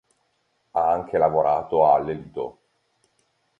Ha anche lavorato a "Le Lido".